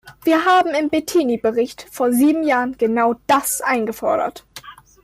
Wir haben im Bettini-Bericht vor sieben Jahren genau das eingefordert.